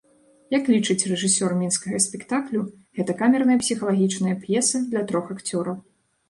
Як лічыць рэжысёр мінскага спектаклю, гэта камерная псіхалагічная п'еса для трох акцёраў.